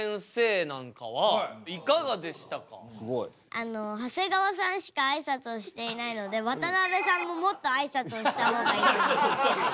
あの長谷川さんしかあいさつをしていないので渡辺さんももっとあいさつをした方がいいと思いました。